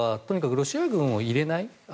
とにかくロシア軍を入れない